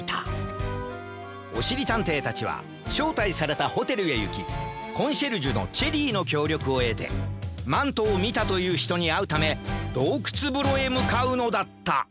おしりたんていたちはしょうたいされたホテルへいきコンシェルジュのチェリーのきょうりょくをえてマントをみたというひとにあうためどうくつぶろへむかうのだった